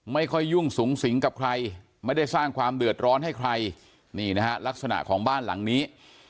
ไม่ค่อยยุ่งสูงสิงกับใครไม่ได้สร้างความเดือดร้อนให้ใครนี่นะฮะลักษณะของบ้านหลังนี้